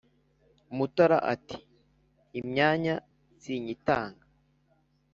Mutara ati: “Imyanya sinyitanga